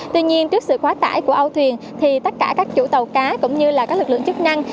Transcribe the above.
tuy nhiên trước sự quá tải của âu thuyền thì tất cả các chủ tàu cá cũng như các lực lượng chức năng